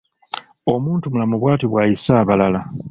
Omuntumulamu bwatyo bw'ayisa abalala.